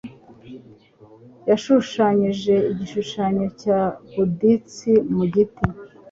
Yashushanyije igishusho cya Budisti mu giti.